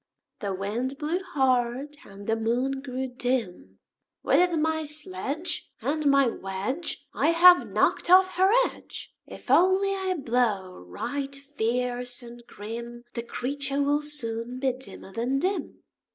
The Wind blew hard, and the Moon grew dim. "With my sledge And my wedge I have knocked off her edge! If only I blow right fierce and grim, The creature will soon be dimmer than dim."